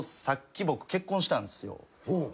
さっき僕結婚したんですよ。